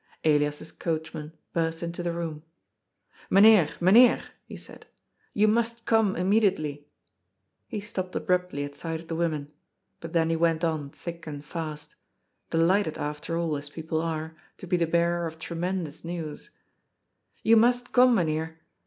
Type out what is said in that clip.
Elias's coachman burst into the room. " Mynheer, Mynheer," he said, " you must come im mediately." He stopped abruptly at sight of the women. But then he went on thick and fast — delighted, after all, as people are, to be the bearer of tremendous news :" You must come. Mynheer